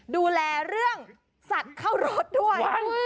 ดูแลเรื่องสัตว์เข้ารถด้วย